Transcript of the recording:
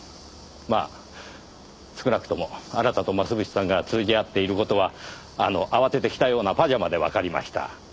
まあ少なくともあなたと増渕さんが通じ合っている事はあの慌てて着たようなパジャマでわかりました。